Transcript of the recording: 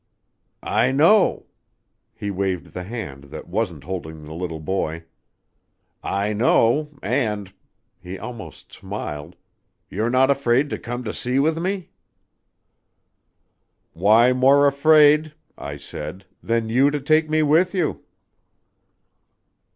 "I know" he waved the hand that wasn't holding the little boy "I know. And" he almost smiled "you're not afraid to come to sea with me?" "Why more afraid," I said, "than you to take me with you?"